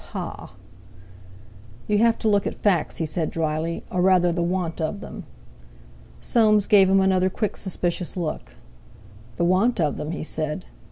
Pah!" "You have to look at facts," he said drily, "or rather the want of them." Soames gave him another quick suspicious look. "The want of them?" he said.